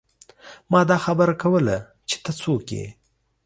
ما دا خبره کوله چې ته څوک يې ۔